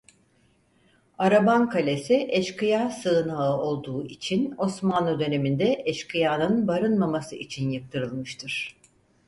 Araban kalesi eşkıya sığınağı olduğu için Osmanlı döneminde eşkıyanın barınmaması için yıktırılmıştır.